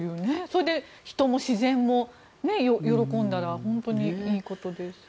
それで人も自然も喜んだら本当にいいことです。